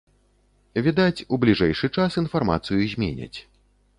Відаць, у бліжэйшы час інфармацыю зменяць.